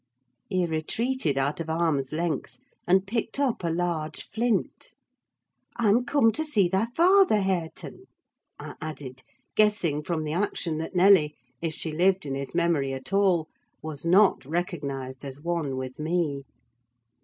He retreated out of arm's length, and picked up a large flint. "I am come to see thy father, Hareton," I added, guessing from the action that Nelly, if she lived in his memory at all, was not recognised as one with me.